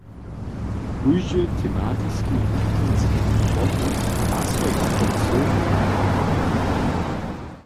Kóždy tematiski wuknjenski wobłuk ma so jako cyłk nadźěłać.